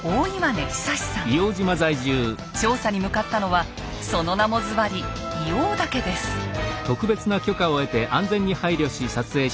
調査に向かったのはその名もずばり「硫黄岳」です。